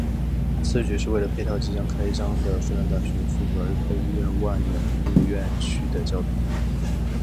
此举是为了配套即将开张的复旦大学附属儿科医院万源路院区的交通。